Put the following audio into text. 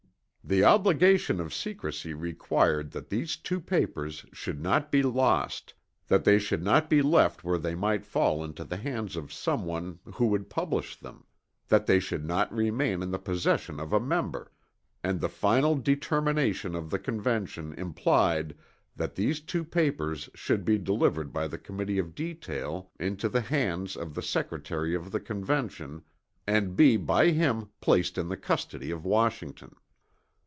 The obligation of secrecy required that these two papers should not be lost that they should not be left where they might fall into the hands of someone who would publish them, that they should not remain in the possession of a member; and the final determination of the Convention implied that these two papers should be delivered by the Committee of Detail into the hands of the Secretary of the Convention and be by him placed in the custody of Washington.